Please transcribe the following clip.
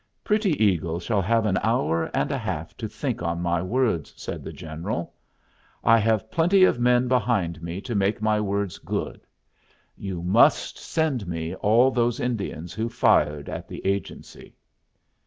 "Pretty Eagle shall have an hour and a half to think on my words," said the general. "I have plenty of men behind me to make my words good. You must send me all those Indians who fired at the agency."